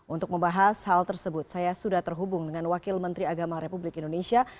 untuk membahas hal tersebut saya sudah terhubung dengan wakil menteri agama republik indonesia